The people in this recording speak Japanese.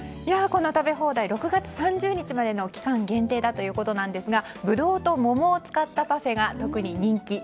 この食べ放題６月３０日までの期間限定だということですがブドウと桃を使ったパフェが特に人気。